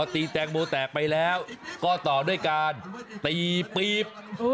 ตีแตงโมแตกไปแล้วก็ต่อด้วยการตีปี๊บ